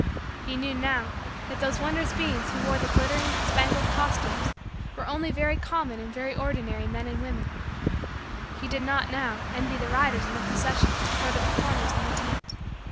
He knew, now, that those wondrous beings who wore the glittering, spangled, costumes, were only very common and very ordinary men and women. He did not, now, envy the riders in the procession or the performers in the tent.